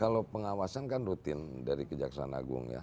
kalau pengawasan kan rutin dari kejaksaan agung ya